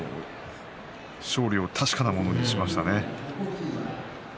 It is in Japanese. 勝利を確かなものにしましたね。